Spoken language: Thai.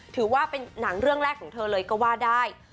ถือว่าเป็นหนังเรื่องแรกของเธอเลยก็ว่าได้